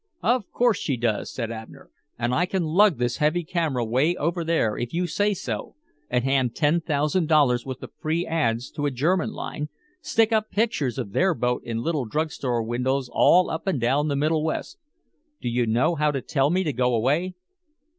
"Of course she does," said Abner. "And I can lug this heavy camera way over there if you say so, and hand ten thousand dollars worth of free ads to a German line, stick up pictures of their boat in little drugstore windows all up and down the Middle West. Do you know how to tell me to go away?"